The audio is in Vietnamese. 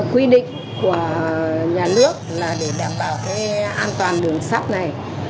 quy định của nhà nước để đảm bảo an toàn đường sắt này